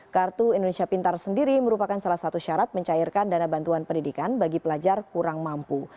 kartu indonesia pintar sendiri merupakan salah satu syarat mencairkan dana bantuan pendidikan bagi pelajar kurang mampu